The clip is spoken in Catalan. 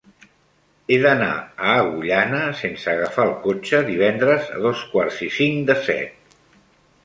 He d'anar a Agullana sense agafar el cotxe divendres a dos quarts i cinc de set.